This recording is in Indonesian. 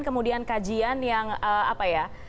kemudian kajian yang apa ya